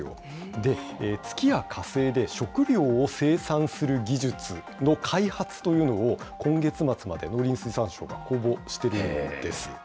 で、月や火星で食料を生産する技術の開発というのを、今月末まで農林水産省が公募してるんです。